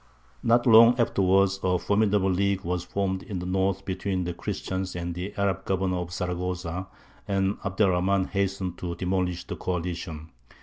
Not long afterwards a formidable league was formed in the north between the Christians and the Arab governor of Zaragoza, and Abd er Rahmān hastened to demolish the coalition.